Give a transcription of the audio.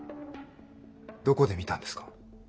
どこで見たんですか？